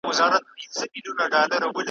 چي ما په ادبياتو، د قرائت په علم